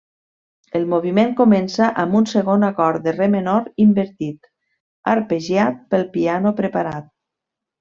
El moviment comença amb un segon acord de re menor invertit, arpegiat pel piano preparat.